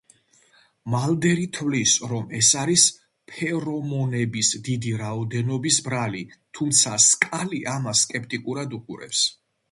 მალდერი თვლის, რომ ეს არის ფერომონების დიდი რაოდენობის ბრალი, თუმცა სკალი ამას სკეპტიკურად უყურებს.